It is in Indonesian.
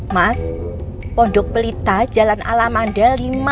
mas pondok pelita jalan alamanda lima